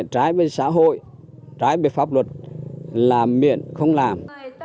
trái về xã hội trái về pháp luật làm miệng không làm